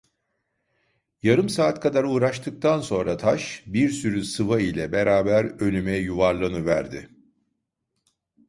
Yarım saat kadar uğraştıktan sonra taş, bir sürü sıva ile beraber, önüme yuvarlanıverdi.